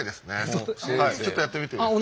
ちょっとやってみていいですか？